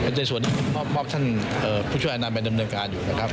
ในส่วนนี้มอบท่านผู้ช่วยอนามไปดำเนินการอยู่นะครับ